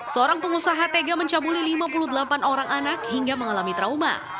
seorang pengusaha tega mencabuli lima puluh delapan orang anak hingga mengalami trauma